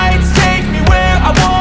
ibu ingin mencoba